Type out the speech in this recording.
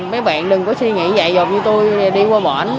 mấy bạn đừng có suy nghĩ dạy dọc như tôi đi qua bỏnh